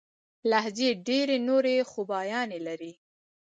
لهجې ډېري نوري خوباياني لري.